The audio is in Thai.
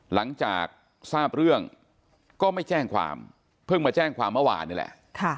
หลังจากทราบเรื่องก็ไม่แจ้งความเพิ่งมาแจ้งความเมื่อวานนี่แหละ